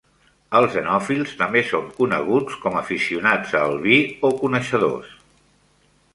Els enòfils també són coneguts com "aficionats a el vi" o "coneixedors".